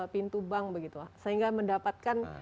pintu bank sehingga mendapatkan